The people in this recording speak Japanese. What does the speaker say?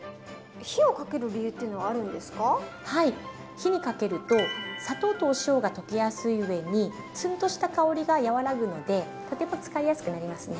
火にかけると砂糖とお塩が溶けやすい上にツンとした香りが和らぐのでとても使いやすくなりますね。